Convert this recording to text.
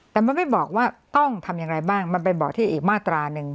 แต่มันไม่บอกว่าต้องทำอย่างไรบ้างมันเป็นเบาะที่อีกมาตราหนึ่ง